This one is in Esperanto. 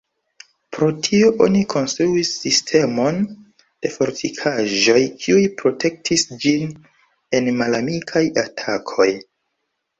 Pro tio oni konstruis sistemon de fortikaĵoj kiuj protektis ĝin el malamikaj atakoj.